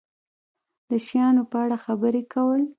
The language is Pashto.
د شیانو په اړه خبرې کول